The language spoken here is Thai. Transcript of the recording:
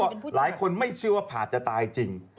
แต่ว่าเขาบอกหลายคนไม่เชื่อว่าผาตจะตายจริง